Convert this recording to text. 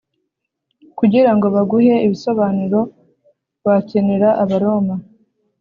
kugira ngo baguhe ibisobanuro wakenera Abaroma